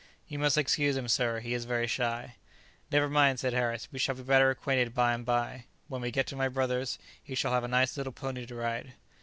"You must excuse him, sir; he is very shy." "Never mind," said Harris; "we shall be better acquainted by and by. When we get to my brother's, he shall have a nice little pony to ride."